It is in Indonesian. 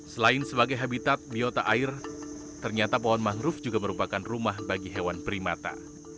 selain sebagai habitat biota air ternyata pohon mangrove juga merupakan rumah bagi hewan primata